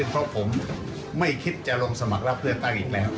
เพราะผมไม่คิดจะลงสมัครรับเลือกตั้งอีกแล้ว